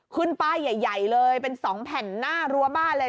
ขึ้นป้ายใหญ่เลยเป็น๒แผ่นหน้ารั้วบ้านเลย